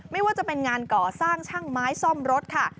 ไม่ว่าจะเป็นงานก่อสร้างช่างไม้ซ่อมรถค่ะ